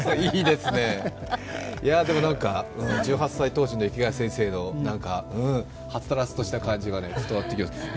１８歳当時の池谷先生のはつらつとした感じが伝わってきますね。